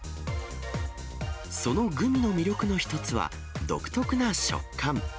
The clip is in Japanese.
そのグミの魅力の一つは、独特な食感。